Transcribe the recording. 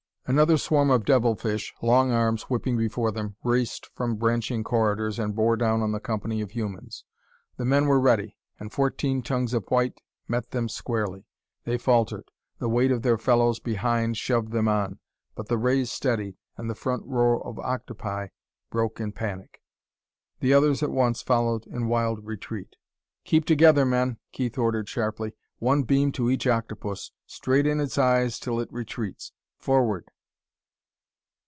Another swarm of devil fish, long arms whipping before them, raced from branching corridors and bore down on the company of humans. The men were ready, and fourteen tongues of white met them squarely. They faltered; the weight of their fellows behind shoved them on; but the rays steadied, and the front row of octopi broke in panic. The others at once followed in wild retreat. "Keep together, men!" Keith ordered sharply. "One beam to each octopus straight in its eyes till it retreats! Forward!"